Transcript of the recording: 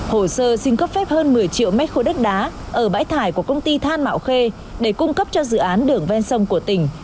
hồ sơ xin cấp phép hơn một mươi triệu mét khối đất đá ở bãi thải của công ty than mạo khê để cung cấp cho dự án đường ven sông của tỉnh